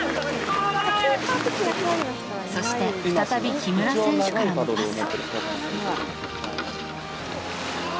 そして、再び木村選手からのパス。